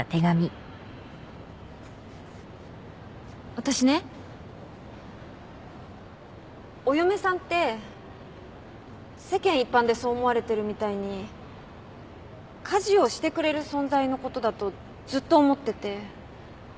私ねお嫁さんって世間一般でそう思われてるみたいに家事をしてくれる存在のことだとずっと思ってて。